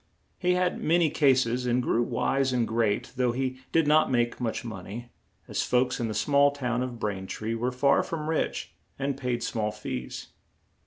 He had ma ny cas es, and grew wise and great, though he did not make much mon ey, as folks in the small town of Brain tree were far from rich and paid small fees.